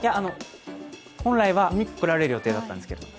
本来は来られる予定だったんですけれども。